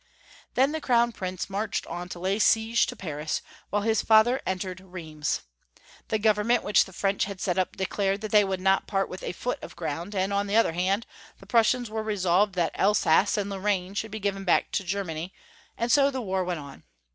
Then the Crown Prmce marched on to lay siege to Paris, while liis father entered Rheims. The Government wliich the French had set up declared that they would not part with a foot of gi*ound, and on the other hand the Prussians were resolved that Elsass and Lorrame should be given back to Ger many, and so the war went on.